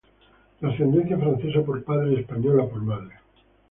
De ascendencia francesa por padre, y española por madre.